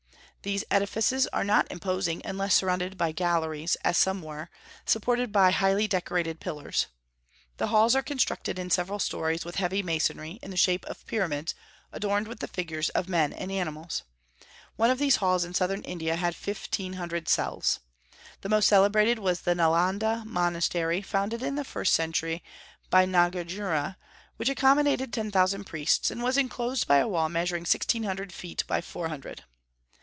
These edifices are not imposing unless surrounded by galleries, as some were, supported by highly decorated pillars. The halls are constructed in several stories with heavy masonry, in the shape of pyramids adorned with the figures of men and animals. One of these halls in southern India had fifteen hundred cells. The most celebrated was the Nalanda monastery, founded in the first century by Nagarjuna, which accommodated ten thousand priests, and was enclosed by a wall measuring sixteen hundred feet by four hundred.